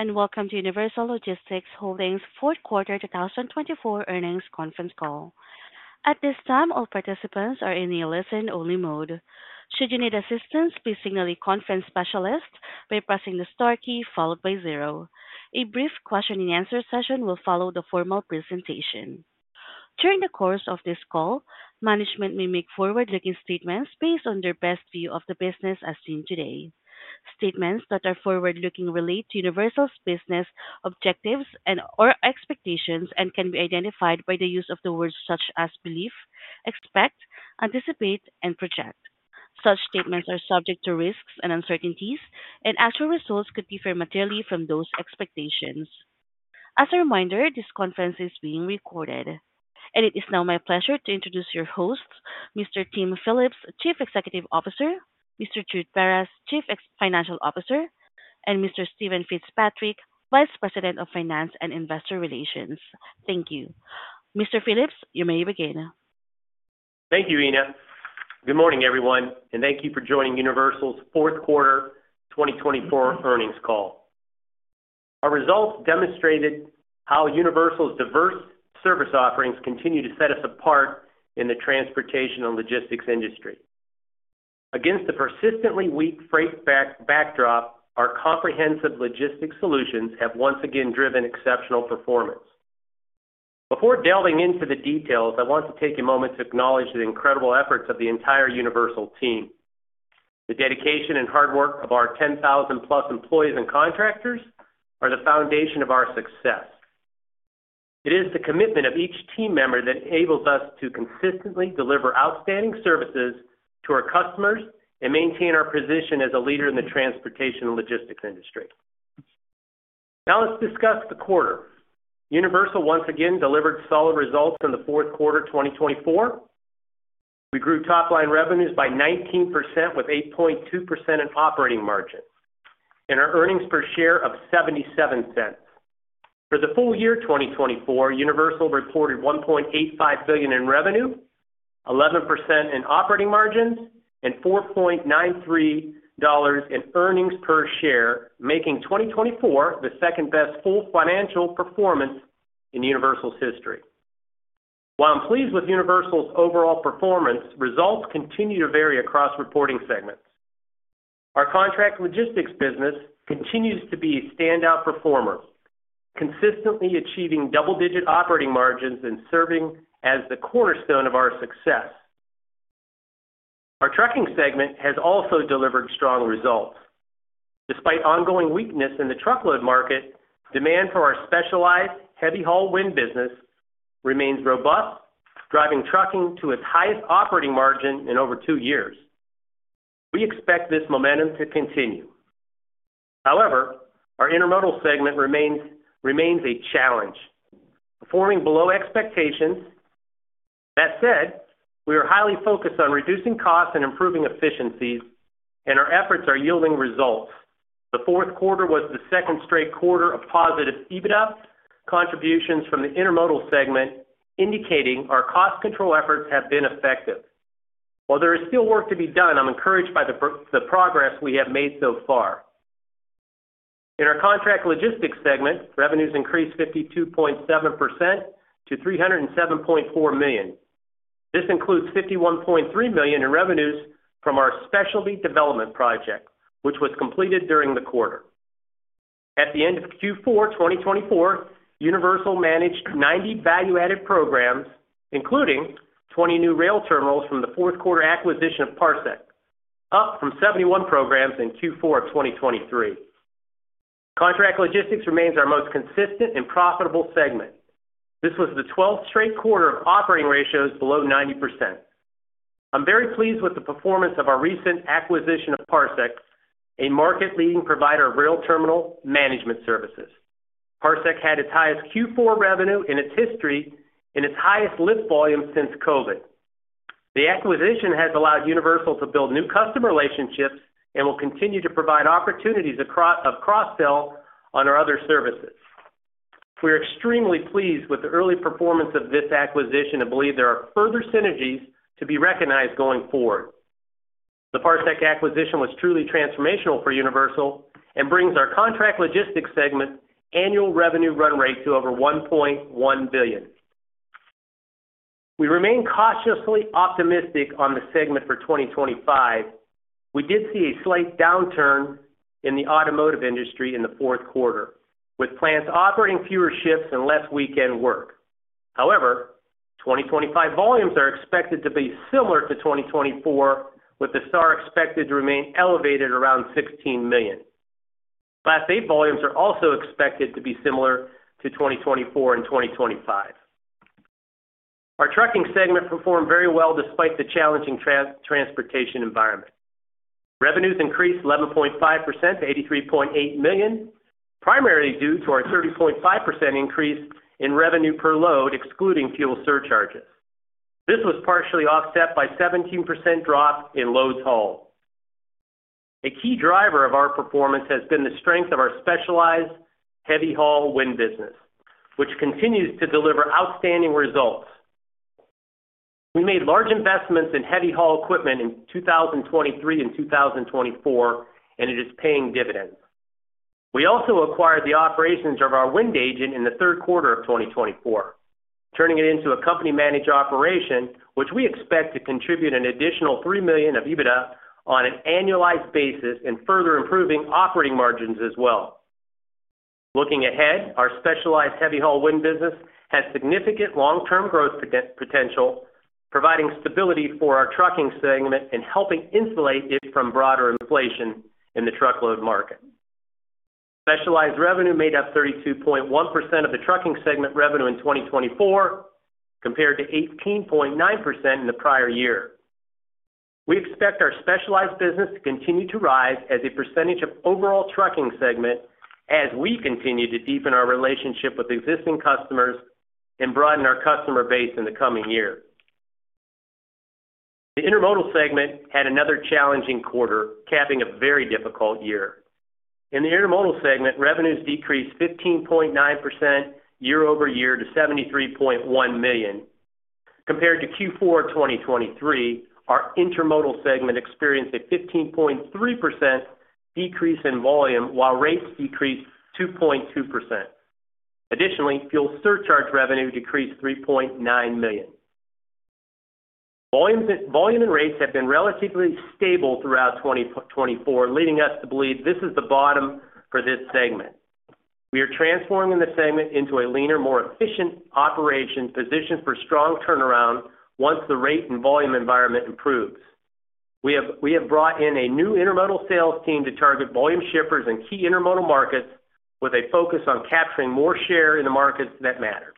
Hello, and welcome to Universal Logistics Holdings' Fourth Quarter 2024 Earnings Conference Call. At this time, all participants are in a listen-only mode. Should you need assistance, please signal a conference specialist by pressing the star key followed by zero. A brief question-and-answer session will follow the formal presentation. During the course of this call, management may make forward-looking statements based on their best view of the business as seen today. Statements that are forward-looking relate to Universal's business objectives and/or expectations and can be identified by the use of the words such as belief, expect, anticipate, and project. Such statements are subject to risks and uncertainties, and actual results could differ materially from those expectations. As a reminder, this conference is being recorded, and it is now my pleasure to introduce your hosts, Mr. Tim Phillips, Chief Executive Officer, Mr. Jude Beres, Chief Financial Officer, and Mr. Steven Fitzpatrick, Vice President of Finance and Investor Relations. Thank you. Mr. Phillips, you may begin. Thank you, Ina. Good morning, everyone, and thank you for joining Universal's Fourth Quarter 2024 Earnings Call. Our results demonstrated how Universal's diverse service offerings continue to set us apart in the transportation and logistics industry. Against a persistently weak freight backdrop, our comprehensive logistics solutions have once again driven exceptional performance. Before delving into the details, I want to take a moment to acknowledge the incredible efforts of the entire Universal team. The dedication and hard work of our 10,000-plus employees and contractors are the foundation of our success. It is the commitment of each team member that enables us to consistently deliver outstanding services to our customers and maintain our position as a leader in the transportation and logistics industry. Now, let's discuss the quarter. Universal once again delivered solid results in the Fourth Quarter 2024. We grew top-line revenues by 19% with 8.2% in operating margins and our earnings per share of $0.77. For the full year 2024, Universal reported $1.85 billion in revenue, 11% in operating margins, and $4.93 in earnings per share, making 2024 the second-best full financial performance in Universal's history. While I'm pleased with Universal's overall performance, results continue to vary across reporting segments. Our Contract Logistics business continues to be a standout performer, consistently achieving double-digit operating margins and serving as the cornerstone of our success. Our Trucking segment has also delivered strong results. Despite ongoing weakness in the truckload market, demand for our specialized heavy-haul wind business remains robust, driving trucking to its highest operating margin in over two years. We expect this momentum to continue. However, our Intermodal segment remains a challenge, performing below expectations. That said, we are highly focused on reducing costs and improving efficiencies, and our efforts are yielding results. The Fourth Quarter was the second straight quarter of positive EBITDA contributions from the Intermodal segment, indicating our cost control efforts have been effective. While there is still work to be done, I'm encouraged by the progress we have made so far. In our Contract Logistics segment, revenues increased 52.7% to $307.4 million. This includes $51.3 million in revenues from our specialty development project, which was completed during the quarter. At the end of Q4 2024, Universal managed 90 value-added programs, including 20 new rail terminals from the Fourth Quarter acquisition of Parsec, up from 71 programs in Q4 2023. Contract logistics remains our most consistent and profitable segment. This was the 12th straight quarter of operating ratios below 90%. I'm very pleased with the performance of our recent acquisition of Parsec, a market-leading provider of rail terminal management services. Parsec had its highest Q4 revenue in its history and its highest lift volume since COVID. The acquisition has allowed Universal to build new customer relationships and will continue to provide opportunities of cross-sell on our other services. We are extremely pleased with the early performance of this acquisition and believe there are further synergies to be recognized going forward. The Parsec acquisition was truly transformational for Universal and brings our Contract Logistics segment annual revenue run rate to over $1.1 billion. We remain cautiously optimistic on the segment for 2025. We did see a slight downturn in the automotive industry in the Fourth Quarter, with plants operating fewer shifts and less weekend work. However, 2025 volumes are expected to be similar to 2024, with the SAAR expected to remain elevated around 16 million. LTL volumes are also expected to be similar to 2024 and 2025. Our Trucking segment performed very well despite the challenging transportation environment. Revenues increased 11.5% to $83.8 million, primarily due to our 30.5% increase in revenue per load, excluding fuel surcharges. This was partially offset by a 17% drop in loads hauled. A key driver of our performance has been the strength of our specialized heavy-haul wind business, which continues to deliver outstanding results. We made large investments in heavy-haul equipment in 2023 and 2024, and it is paying dividends. We also acquired the operations of our wind agent in the third quarter of 2024, turning it into a company-managed operation, which we expect to contribute an additional $3 million of EBITDA on an annualized basis and further improving operating margins as well. Looking ahead, our specialized heavy-haul wind business has significant long-term growth potential, providing stability for our Trucking segment and helping insulate it from broader inflation in the truckload market. Specialized revenue made up 32.1% of the Trucking segment revenue in 2024, compared to 18.9% in the prior year. We expect our specialized business to continue to rise as a percentage of overall Trucking segment as we continue to deepen our relationship with existing customers and broaden our customer base in the coming year. The Intermodal segment had another challenging quarter, capping a very difficult year. In the Intermodal segment, revenues decreased 15.9% year-over-year to $73.1 million. Compared to Q4 2023, our Intermodal segment experienced a 15.3% decrease in volume, while rates decreased 2.2%. Additionally, fuel surcharge revenue decreased $3.9 million. Volume and rates have been relatively stable throughout 2024, leading us to believe this is the bottom for this segment. We are transforming the segment into a leaner, more efficient operating position for strong turnaround once the rate and volume environment improves. We have brought in a new intermodal sales team to target volume shippers and key intermodal markets, with a focus on capturing more share in the markets that matter.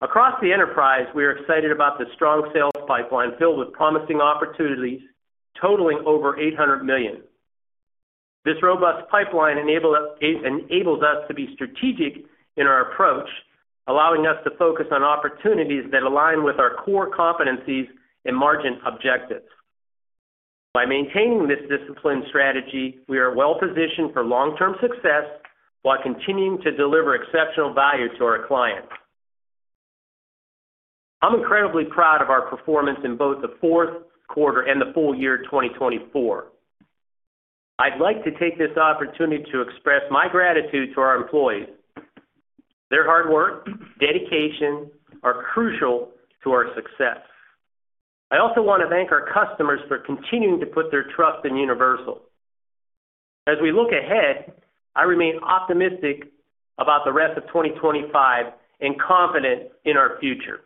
Across the enterprise, we are excited about the strong sales pipeline filled with promising opportunities, totaling over $800 million. This robust pipeline enables us to be strategic in our approach, allowing us to focus on opportunities that align with our core competencies and margin objectives. By maintaining this disciplined strategy, we are well-positioned for long-term success while continuing to deliver exceptional value to our clients. I'm incredibly proud of our performance in both the Fourth Quarter and the full year 2024. I'd like to take this opportunity to express my gratitude to our employees. Their hard work and dedication are crucial to our success. I also want to thank our customers for continuing to put their trust in Universal. As we look ahead, I remain optimistic about the rest of 2025 and confident in our future.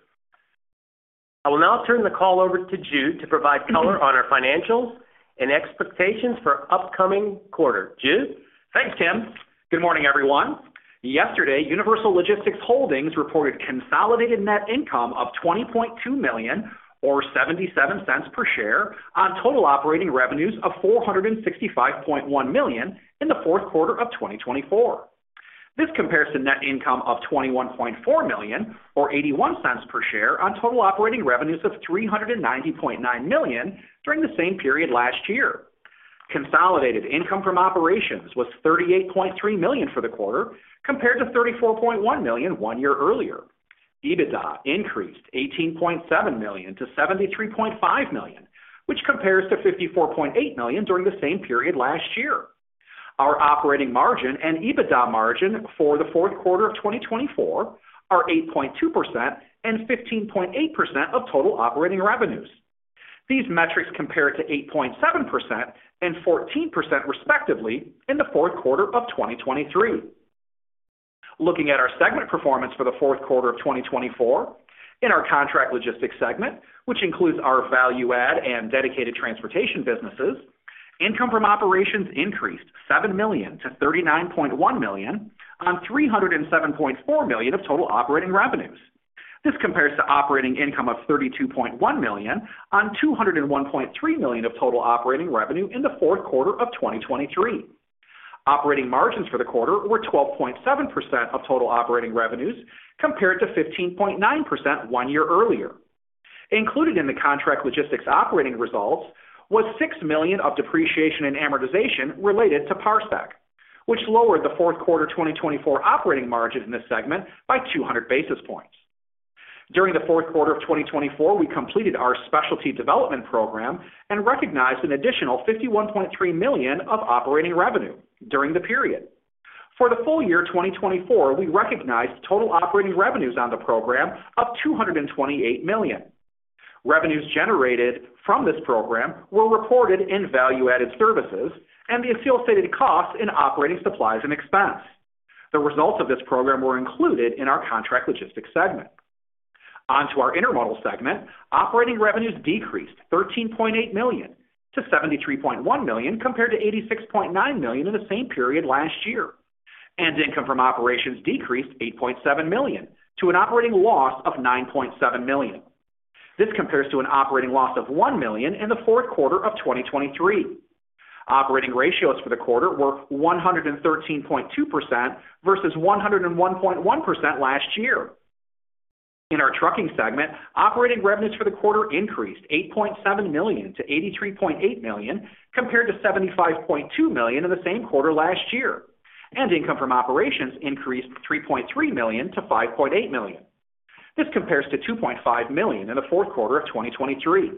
I will now turn the call over to Jude to provide color on our financials and expectations for upcoming quarter. Jude. Thanks, Tim. Good morning, everyone. Yesterday, Universal Logistics Holdings reported consolidated net income of $20.2 million, or $0.77 per share, on total operating revenues of $465.1 million in the Fourth Quarter of 2024. This compares to net income of $21.4 million, or $0.81 per share, on total operating revenues of $390.9 million during the same period last year. Consolidated income from operations was $38.3 million for the quarter, compared to $34.1 million one year earlier. EBITDA increased $18.7 million- $73.5 million, which compares to $54.8 million during the same period last year. Our operating margin and EBITDA margin for the Fourth Quarter of 2024 are 8.2% and 15.8% of total operating revenues. These metrics compare to 8.7% and 14%, respectively, in the Fourth Quarter of 2023. Looking at our segment performance for the Fourth Quarter of 2024, in our Contract Logistics Segment, which includes our value-add and dedicated transportation businesses, income from operations increased $7 million-$39.1 million on $307.4 million of total operating revenues. This compares to operating income of $32.1 million on $201.3 million of total operating revenue in the Fourth Quarter of 2023. Operating margins for the quarter were 12.7% of total operating revenues, compared to 15.9% one year earlier. Included in the Contract Logistics operating results was $6 million of depreciation and amortization related to Parsec, which lowered the Fourth Quarter 2024 operating margin in this segment by 200 basis points. During the Fourth Quarter of 2024, we completed our specialty development program and recognized an additional $51.3 million of operating revenue during the period. For the full year 2024, we recognized total operating revenues on the program of $228 million. Revenues generated from this program were reported in value-added services and the associated costs in operating supplies and expense. The results of this program were included in our Contract Logistics segment. On to our Intermodal segment, operating revenues decreased $13.8 million-$73.1 million, compared to $86.9 million in the same period last year. Net income from operations decreased $8.7 million to an operating loss of $9.7 million. This compares to an operating loss of $1 million in the Fourth Quarter of 2023. Operating ratios for the quarter were 113.2% versus 101.1% last year. In our Trucking segment, operating revenues for the quarter increased $8.7 million-$83.8 million, compared to $75.2 million in the same quarter last year. Net income from operations increased $3.3 million-$5.8 million. This compares to $2.5 million in the Fourth Quarter of 2023.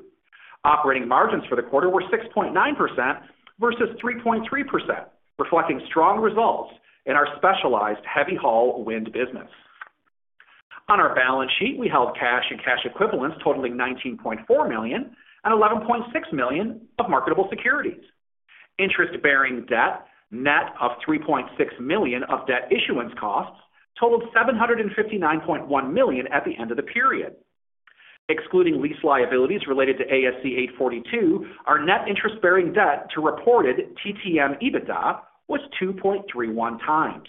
Operating margins for the quarter were 6.9% versus 3.3%, reflecting strong results in our specialized heavy-haul wind business. On our balance sheet, we held cash and cash equivalents totaling $19.4 million and $11.6 million of marketable securities. Interest-bearing debt, net of $3.6 million of debt issuance costs, totaled $759.1 million at the end of the period. Excluding lease liabilities related to ASC 842, our net interest-bearing debt to reported TTM EBITDA was 2.31x.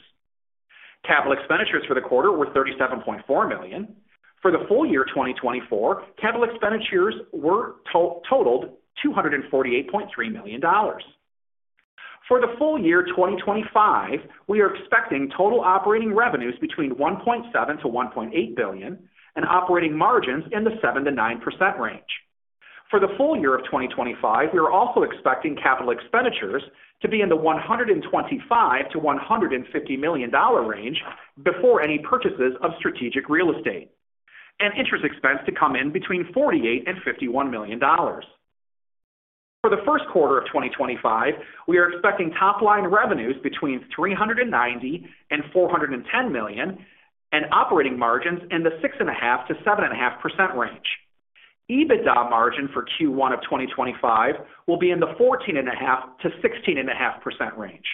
Capital expenditures for the quarter were $37.4 million. For the full year 2024, capital expenditures were totaled $248.3 million. For the full year 2025, we are expecting total operating revenues between $1.7 billion-$1.8 billion and operating margins in the 7%-9% range. For the full year of 2025, we are also expecting capital expenditures to be in the $125 million-$150 million range before any purchases of strategic real estate and interest expense to come in between $48 million and $51 million. For the first quarter of 2025, we are expecting top-line revenues between $390 million and $410 million and operating margins in the 6.5%-7.5% range. EBITDA margin for Q1 of 2025 will be in the 14.5%-16.5% range.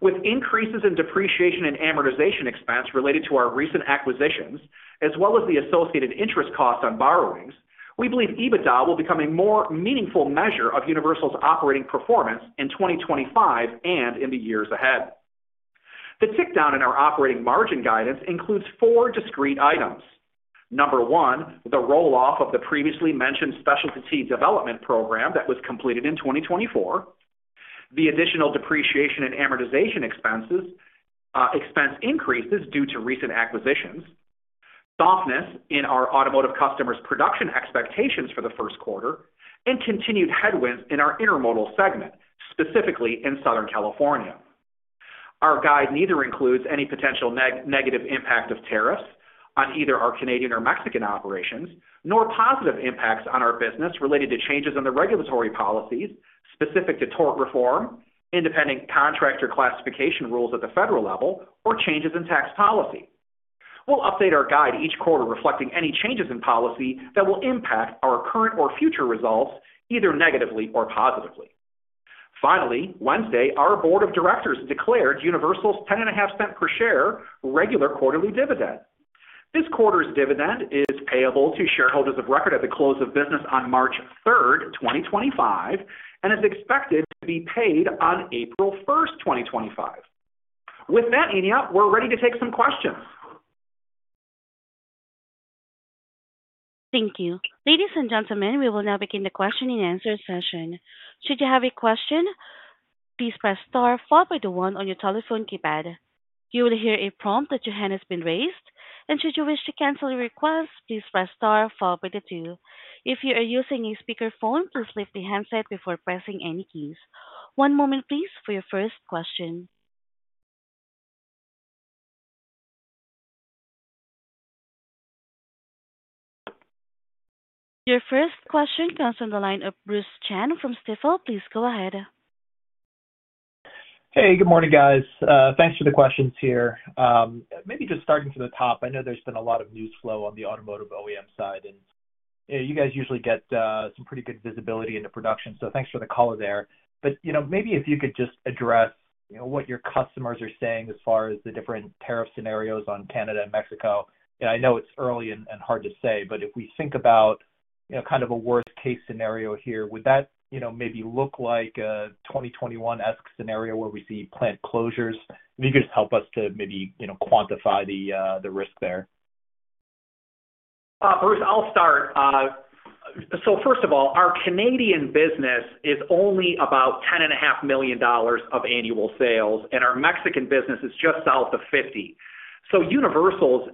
With increases in depreciation and amortization expense related to our recent acquisitions, as well as the associated interest costs on borrowings, we believe EBITDA will become a more meaningful measure of Universal's operating performance in 2025 and in the years ahead. The tickdown in our operating margin guidance includes four discrete items. Number one, the roll-off of the previously mentioned specialty development program that was completed in 2024, the additional depreciation and amortization expense increases due to recent acquisitions, softness in our automotive customers' production expectations for the first quarter, and continued headwinds in our Intermodal segment, specifically in Southern California. Our guide neither includes any potential negative impact of tariffs on either our Canadian or Mexican operations, nor positive impacts on our business related to changes in the regulatory policies specific to tort reform, independent contractor classification rules at the federal level, or changes in tax policy. We'll update our guide each quarter reflecting any changes in policy that will impact our current or future results either negatively or positively. Finally, Wednesday, our board of directors declared Universal's $0.105 per share regular quarterly dividend. This quarter's dividend is payable to shareholders of record at the close of business on March 3, 2025, and is expected to be paid on April 1, 2025. With that, Ina, we're ready to take some questions. Thank you. Ladies and gentlemen, we will now begin the question and answer session. Should you have a question, please press star followed by the one on your telephone keypad. You will hear a prompt that your hand has been raised, and should you wish to cancel your request, please press star followed by the two. If you are using a speakerphone, please lift the handset before pressing any keys. One moment, please, for your first question. Your first question comes from the line of Bruce Chan from Stifel. Please go ahead. Hey, good morning, guys. Thanks for the questions here. Maybe just starting from the top, I know there's been a lot of news flow on the automotive OEM side, and you guys usually get some pretty good visibility into production. So thanks for the call there. But maybe if you could just address what your customers are saying as far as the different tariff scenarios on Canada and Mexico. I know it's early and hard to say, but if we think about kind of a worst-case scenario here, would that maybe look like a 2021-esque scenario where we see plant closures? If you could just help us to maybe quantify the risk there. Bruce, I'll start. So first of all, our Canadian business is only about $10.5 million of annual sales, and our Mexican business is just south of $50 million. So Universal's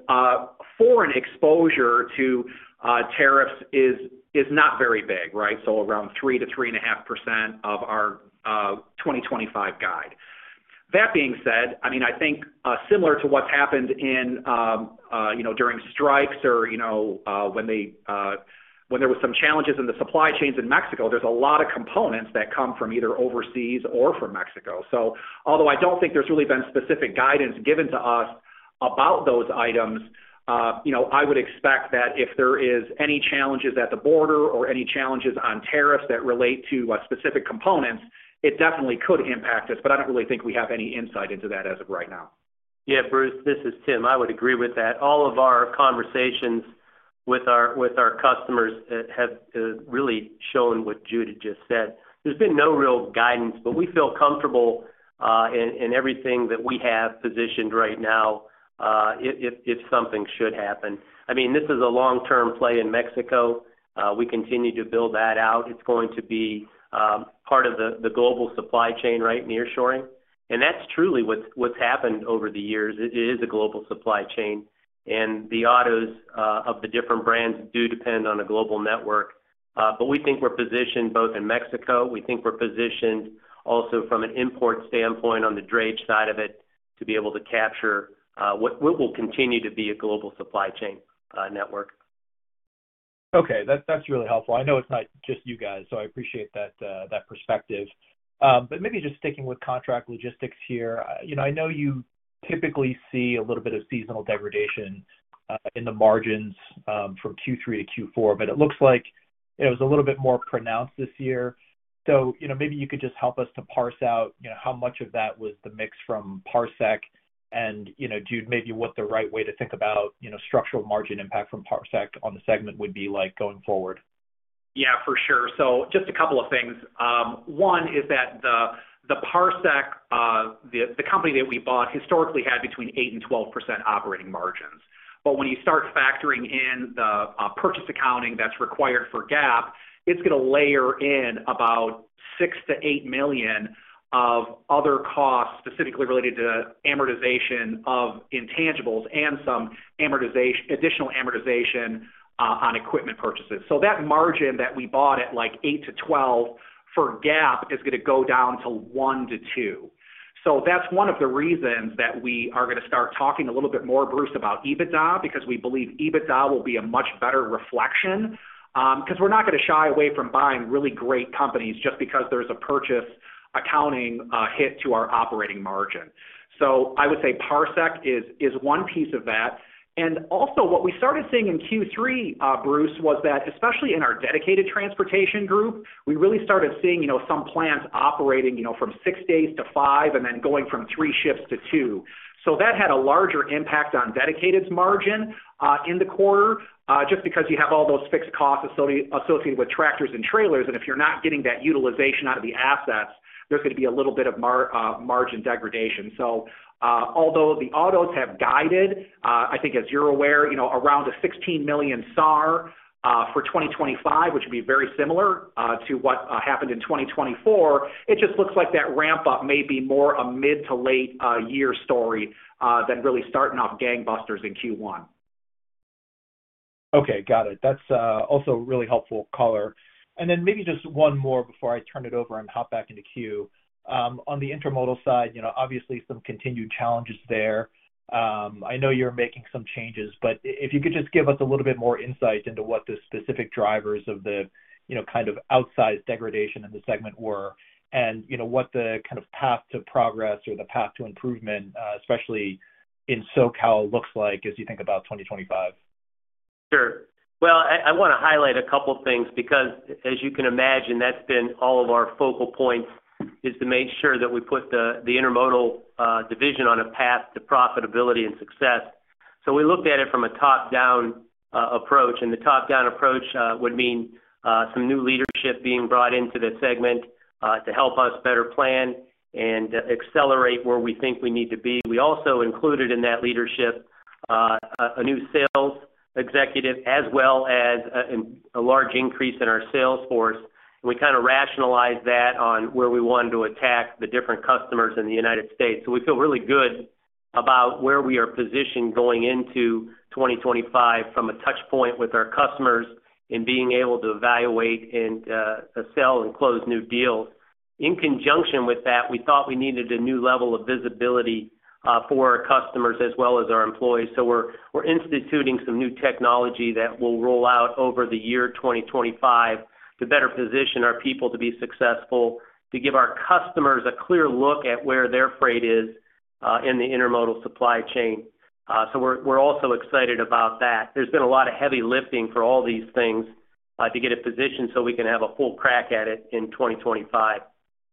foreign exposure to tariffs is not very big, right? So around 3%-3.5% of our 2025 guide. That being said, I mean, I think similar to what's happened during strikes or when there were some challenges in the supply chains in Mexico, there's a lot of components that come from either overseas or from Mexico. So although I don't think there's really been specific guidance given to us about those items, I would expect that if there are any challenges at the border or any challenges on tariffs that relate to specific components, it definitely could impact us. But I don't really think we have any insight into that as of right now. Yeah, Bruce, this is Tim. I would agree with that. All of our conversations with our customers have really shown what Jude just said. There's been no real guidance, but we feel comfortable in everything that we have positioned right now if something should happen. I mean, this is a long-term play in Mexico. We continue to build that out. It's going to be part of the global supply chain, right, nearshoring. And that's truly what's happened over the years. It is a global supply chain. And the autos of the different brands do depend on a global network. But we think we're positioned both in Mexico. We think we're positioned also from an import standpoint on the drayage side of it to be able to capture what will continue to be a global supply chain network. Okay. That's really helpful. I know it's not just you guys, so I appreciate that perspective. But maybe just sticking with Contract Logistics here, I know you typically see a little bit of seasonal degradation in the margins from Q3-Q4, but it looks like it was a little bit more pronounced this year. So maybe you could just help us to parse out how much of that was the mix from Parsec and, Jude, maybe what the right way to think about structural margin impact from Parsec on the segment would be like going forward. Yeah, for sure. So just a couple of things. One is that the Parsec, the company that we bought, historically had between 8%-12% operating margins. But when you start factoring in the purchase accounting that's required for GAAP, it's going to layer in about $6 million-$8 million of other costs specifically related to amortization of intangibles and some additional amortization on equipment purchases. So that margin that we bought at like 8%-12% for GAAP is going to go down to 1%-2%. So that's one of the reasons that we are going to start talking a little bit more, Bruce, about EBITDA, because we believe EBITDA will be a much better reflection. Because we're not going to shy away from buying really great companies just because there's a purchase accounting hit to our operating margin. So I would say Parsec is one piece of that. And also what we started seeing in Q3, Bruce, was that especially in our dedicated transportation group, we really started seeing some plants operating from six days to five and then going from three shifts to two. So that had a larger impact on dedicated margin in the quarter just because you have all those fixed costs associated with tractors and trailers. And if you're not getting that utilization out of the assets, there's going to be a little bit of margin degradation. So although the autos have guided, I think as you're aware, around a 16 million SAAR for 2025, which would be very similar to what happened in 2024, it just looks like that ramp-up may be more a mid to late-year story than really starting off gangbusters in Q1. Okay. Got it. That's also a really helpful color. And then maybe just one more before I turn it over and hop back into queue. On the intermodal side, obviously some continued challenges there. I know you're making some changes, but if you could just give us a little bit more insight into what the specific drivers of the kind of outsized degradation in the segment were and what the kind of path to progress or the path to improvement, especially in SoCal, looks like as you think about 2025. Sure. Well, I want to highlight a couple of things because, as you can imagine, that's been all of our focal points is to make sure that we put the intermodal division on a path to profitability and success. So we looked at it from a top-down approach. And the top-down approach would mean some new leadership being brought into the segment to help us better plan and accelerate where we think we need to be. We also included in that leadership a new sales executive as well as a large increase in our sales force. And we kind of rationalized that on where we wanted to attack the different customers in the United States. So we feel really good about where we are positioned going into 2025 from a touchpoint with our customers and being able to evaluate and sell, and close new deals. In conjunction with that, we thought we needed a new level of visibility for our customers as well as our employees, so we're instituting some new technology that will roll out over the year 2025 to better position our people to be successful, to give our customers a clear look at where their freight is in the intermodal supply chain, so we're also excited about that. There's been a lot of heavy lifting for all these things to get a position so we can have a full crack at it in 2025.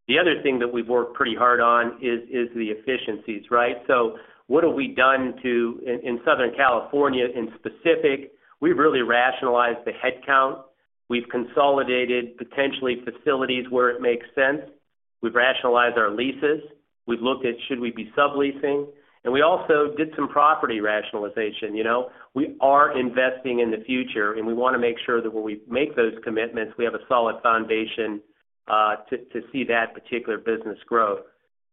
The other thing that we've worked pretty hard on is the efficiencies, right, so what have we done in Southern California in specific? We've really rationalized the headcount. We've consolidated potential facilities where it makes sense. We've rationalized our leases. We've looked at should we be subleasing, and we also did some property rationalization. We are investing in the future, and we want to make sure that when we make those commitments, we have a solid foundation to see that particular business grow.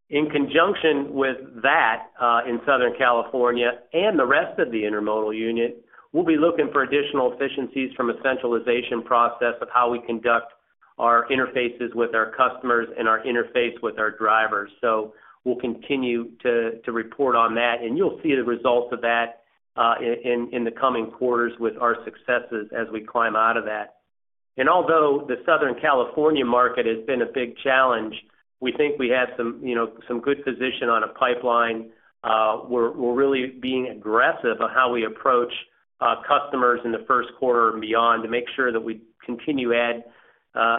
In conjunction with that in Southern California and the rest of the intermodal unit, we'll be looking for additional efficiencies from a centralization process of how we conduct our interfaces with our customers and our interface with our drivers. So we'll continue to report on that. And you'll see the results of that in the coming quarters with our successes as we climb out of that. And although the Southern California market has been a big challenge, we think we have some-good position on a pipeline. We're really being aggressive on how we approach customers in the first quarter and beyond to make sure that we continue to add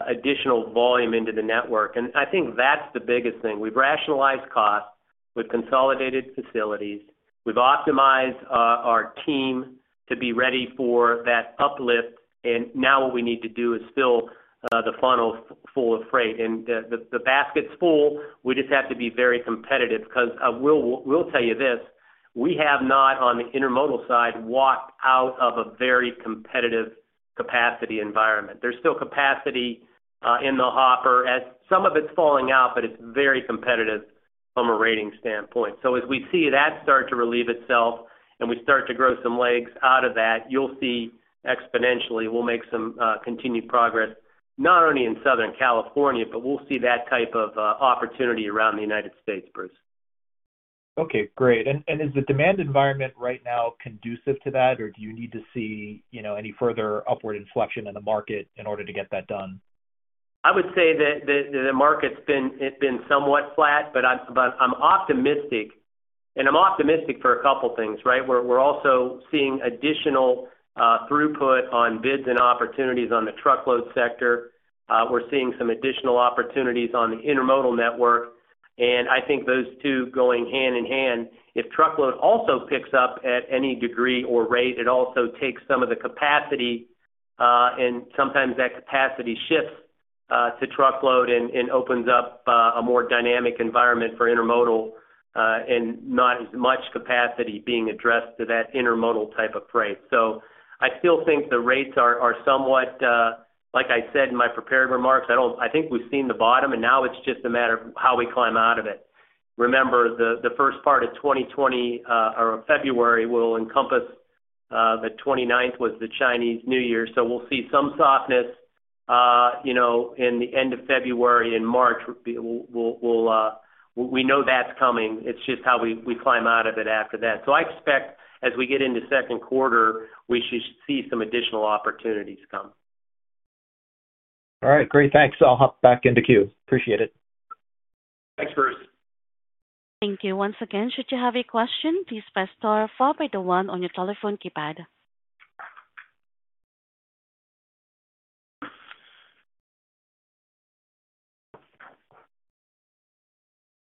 additional volume into the network. I think that's the biggest thing. We've rationalized costs. We've consolidated facilities. We've optimized our team to be ready for that uplift. Now, what we need to do is fill the funnel full of freight. The basket's full. We just have to be very competitive because we'll tell you this. We have not, on the intermodal side, walked out of a very competitive capacity environment. There's still capacity in the hopper. Some of it's falling out, but it's very competitive from a rating standpoint. As we see that start to relieve itself and we start to grow some legs out of that, you'll see exponentially we'll make some continued progress not only in Southern California, but we'll see that type of opportunity around the United States, Bruce. Okay. Great. And is the demand environment right now conducive to that, or do you need to see any further upward inflection in the market in order to get that done? I would say that the market's been somewhat flat, but I'm optimistic, and I'm optimistic for a couple of things, right? We're also seeing additional throughput on bids and opportunities on the truckload sector. We're seeing some additional opportunities on the intermodal network, and I think those two going hand in hand. If truckload also picks up at any degree or rate, it also takes some of the capacity, and sometimes that capacity shifts to truckload and opens up a more dynamic environment for intermodal and not as much capacity being addressed to that intermodal type of freight, so I still think the rates are somewhat, like I said in my prepared remarks, I think we've seen the bottom, and now it's just a matter of how we climb out of it. Remember, the first part of February will encompass the 29th was the Chinese New Year. So we'll see some softness in the end of February and March. We know that's coming. It's just how we climb out of it after that. So I expect as we get into second quarter, we should see some additional opportunities come. All right. Great. Thanks. I'll hop back into queue. Appreciate it. Thanks, Bruce. Thank you. Once again, should you have a question, please press star or four by the one on your telephone keypad.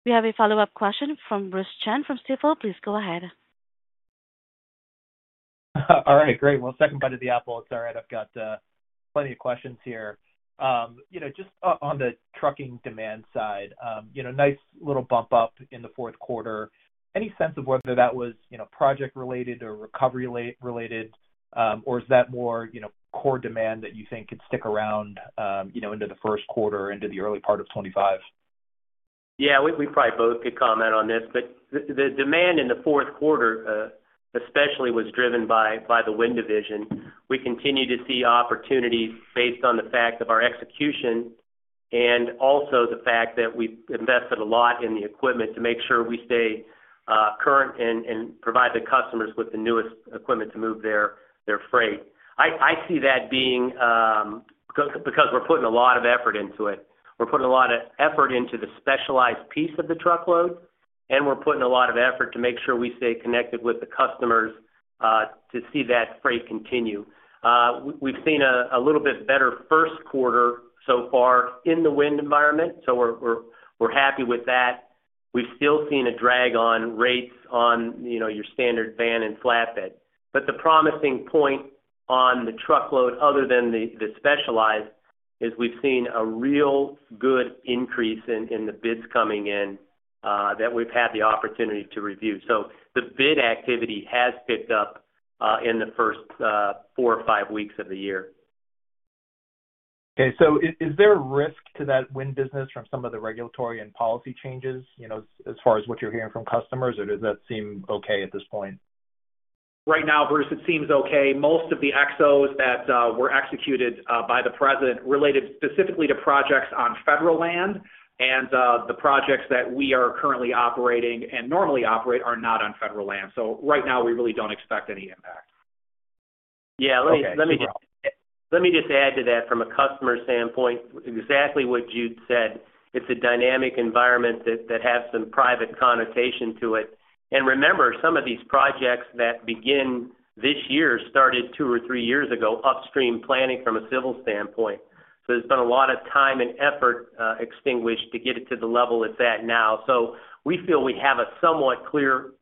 We have a follow-up question from Bruce Chan from Stifel. Please go ahead. All right. Great. Well, Second bite at the apple, it's all right. I've got plenty of questions here. Just on the trucking demand side, nice little bump up in the fourth quarter. Any sense of whether that was project-related or recovery-related, or is that more core demand that you think could stick around into the first quarter into the early part of 2025? Yeah. We probably both could comment on this. But the demand in the fourth quarter especially was driven by the wind division. We continue to see opportunities based on the fact of our execution and also the fact that we've invested a lot in the equipment to make sure we stay current and provide the customers with the newest equipment to move their freight. I see that being because we're putting a lot of effort into it. We're putting a lot of effort into the specialized piece of the truckload, and we're putting a lot of effort to make sure we stay connected with the customers to see that freight continue. We've seen a little bit better first quarter so far in the wind environment. So we're happy with that. We've still seen a drag on rates on your standard van and flatbed. But the promising point on the truckload other than the specialized is we've seen a real good increase in the bids coming in that we've had the opportunity to review. So the bid activity has picked up in the first four or five weeks of the year. Okay, so is there a risk to that wind business from some of the regulatory and policy changes as far as what you're hearing from customers, or does that seem okay at this point? Right now, Bruce, it seems okay. Most of the EOs that were executed by the president related specifically to projects on federal land. And the projects that we are currently operating and normally operate are not on federal land. So right now, we really don't expect any impact. Yeah. Let me just add to that from a customer standpoint, exactly what Jude said. It's a dynamic environment that has some private connotation to it. And remember, some of these projects that begin this year started two or three years ago, upstream planning from a civil standpoint. So there's been a lot of time and effort expended to get it to the level it's at now. So we feel we have a somewhat clear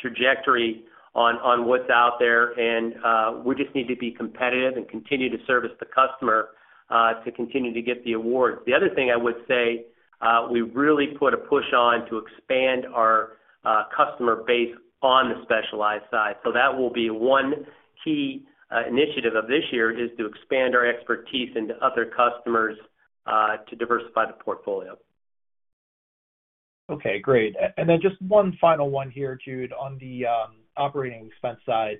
trajectory on what's out there. And we just need to be competitive and continue to service the customer to continue to get the awards. The other thing I would say, we really put a push on to expand our customer base on the specialized side. So that will be one key initiative of this year is to expand our expertise into other customers to diversify the portfolio. Okay. Great. And then just one final one here, Jude, on the operating expense side.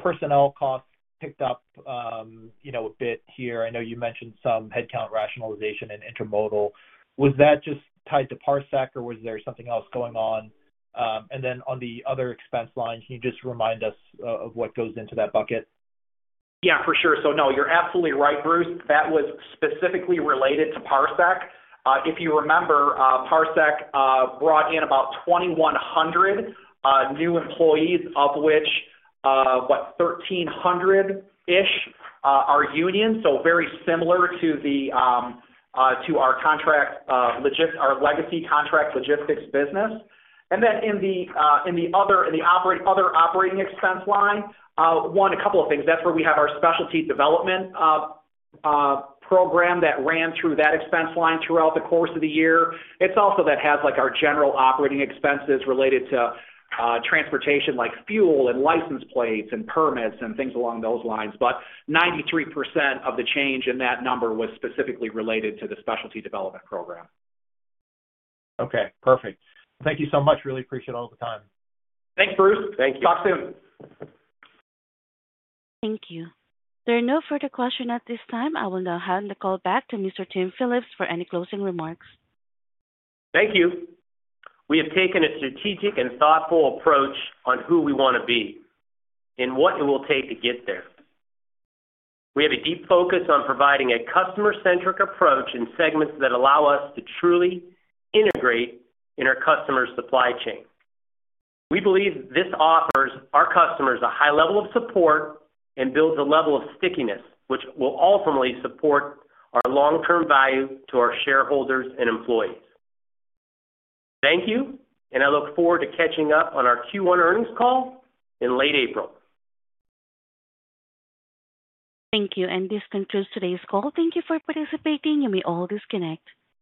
Personnel costs picked up a bit here. I know you mentioned some headcount rationalization in intermodal. Was that just tied to Parsec, or was there something else going on? And then on the other expense lines, can you just remind us of what goes into that bucket? Yeah, for sure. So no, you're absolutely right, Bruce. That was specifically related to Parsec. If you remember, Parsec brought in about 2,100 new employees, of which, what, 1,300-ish are union. So very similar to our legacy Contract Logistics business. And then in the other operating expense line, one, a couple of things. That's where we have our specialty development program that ran through that expense line throughout the course of the year. It's also that has our general operating expenses related to transportation like fuel and license plates and permits, and things along those lines. But 93% of the change in that number was specifically related to the specialty development program. Okay. Perfect. Thank you so much. Really appreciate all the time. Thanks, Bruce. Thank you. Talk soon. Thank you. There are no further questions at this time. I will now hand the call back to Mr. Tim Phillips for any closing remarks. Thank you. We have taken a strategic and thoughtful approach on who we want to be and what it will take to get there. We have a deep focus on providing a customer-centric approach in segments that allow us to truly integrate in our customer's supply chain. We believe this offers our customers a high level of support and builds a level of stickiness, which will ultimately support our long-term value to our shareholders and employees. Thank you, and I look forward to catching up on our Q1 earnings call in late April. Thank you. And this concludes today's call. Thank you for participating. You may all disconnect.